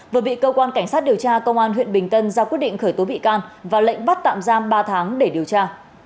vừa bị cơ quan cảnh sát điều tra công an huyện bình tân ra quyết định khởi tố bị can và lệnh bắt tạm giam ba tháng để điều tra